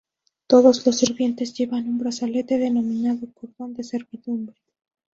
Todos los sirvientes llevan un brazalete, denominado "cordón de servidumbre".